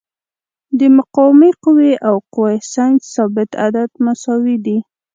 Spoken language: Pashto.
د مقاومې قوې او قوه سنج ثابت عدد مساوي دي.